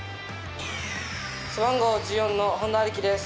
背番号１４の本田明樹です。